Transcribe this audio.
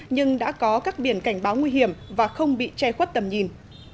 nhưng đã có các biển cảnh báo nguy hiểm và không bị che khuất tầm nhìn